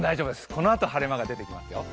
このあと晴れ間が出て来ますよ。